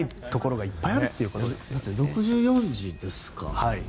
だって６４次ですか。